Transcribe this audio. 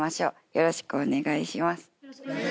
よろしくお願いします。